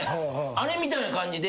あれみたいな感じで。